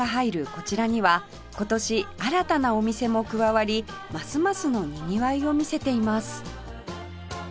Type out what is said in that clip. こちらには今年新たなお店も加わりますますのにぎわいを見せています